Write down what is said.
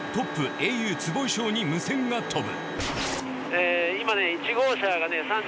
ａｕ坪井翔に無線が飛ぶ